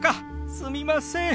すみません。